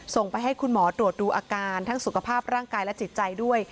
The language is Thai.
ส่งไปให้คุณหมอตรวจดูอาการทั้งสุขภาพร่างกายและจิตใจด้วย